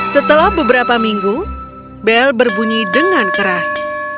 setelah beberapa minggu bel berbunyi dengan keras